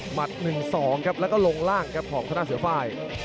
หมดหนึ่งสองครับแล้วก็ลงล่างครับหอมข้างหน้าเสือฝ่าย